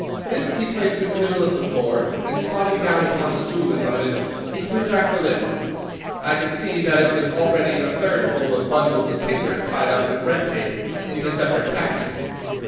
This he placed in the middle of the floor and, squatting down upon a stool in front of it, he threw back the lid. I could see that it was already a third full of bundles of paper tied up with red tape into separate packages.